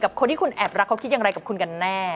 คนที่คุณแอบรักเขาคิดอย่างไรกับคุณกันแน่